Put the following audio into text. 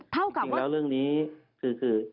เท่ากับว่าจริงแล้วเรื่องนี้คือ